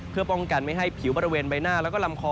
เพื่อป้องกันไม่ให้ผิวบริเวณใบหน้าแล้วก็ลำคอ